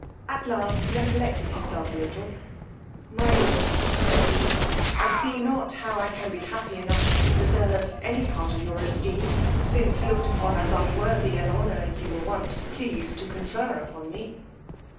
At last recollecting himself a little, my lord, said he, I see not how I can be happy enough to preserve any part of your esteem, since looked upon as unworthy an honour you were once pleased to confer upon me.